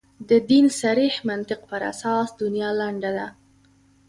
د دین صریح منطق پر اساس دنیا لنډه ده.